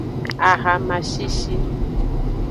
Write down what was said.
Ahama shishi.